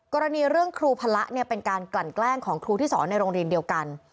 กรณีเรื่องครูพระเป็นการกลั่นแกล้งของครูที่สอนในโรงเรียนเดียวกัน